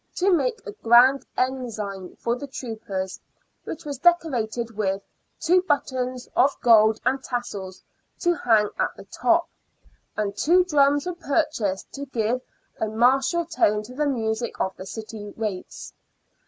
to make a grand " ensign " for the troopers, which was decorated with " two buttons of gold, and tassells 38 SIXTEENTH CENTURY BRISTOL. to hang at the top," and two drums were purchased to give a martial tone to the music of the city waits.